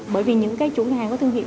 bởi vì những chủ hàng có thương hiệu